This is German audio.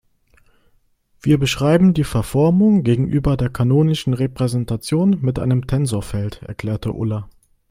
"Wir beschreiben die Verformung gegenüber der kanonischen Repräsentation mit einem Tensorfeld", erklärte Ulla.